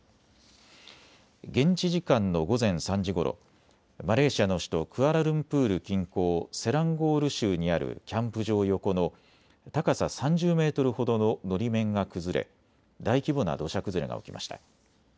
現地時間の午前３時ごろ、マレーシアの首都クアラルンプール近郊、セランゴール州にあるキャンプ場横の高さ３０メートルほどののり面が崩れ大規模な土砂崩れが起きました。